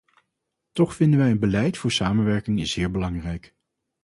Toch vinden wij een beleid voor samenwerking zeer belangrijk.